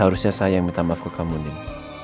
harusnya saya yang minta maaf ke kamu din